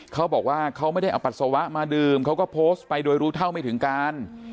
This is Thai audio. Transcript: เขาบอกว่าเขาไม่ได้เอาปัสสาวะมาดื่มเขาก็โพสต์ไปโดยรู้เท่าไม่ถึงการ